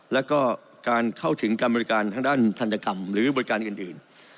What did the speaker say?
แล้วก็การเข้าถึงการบริการทางด้านทันตกรรมหรือบริการอื่น